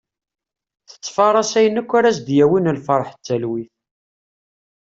Tettfaras ayen akk ara as-d-yawin lferḥ d talwit.